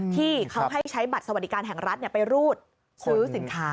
ที่เขาให้ใช้บัตรสวัสดิการแห่งรัฐไปรูดซื้อสินค้า